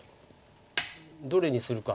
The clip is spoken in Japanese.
どれにするか